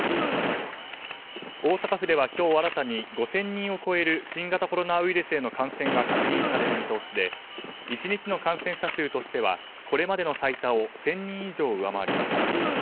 大阪府では今日新たに５０００人を超える新型コロナウイルスへの感染が確認される見通しで１日の感染者数としてはこれまでの最多を１０００人以上上回ります。